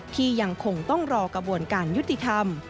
ที่ยังคงต้องรอกระบวนการยุติธรรม